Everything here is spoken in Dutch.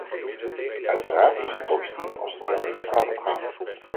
Uiteraard is het positief als studenten de straat op gaan.